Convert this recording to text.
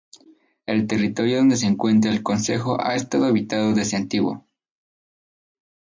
El territorio donde se encuentra el concejo ha estado habitado desde antiguo.